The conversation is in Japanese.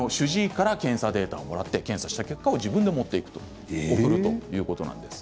医師から検査データをもらって検査した結果を持っていくということなんです。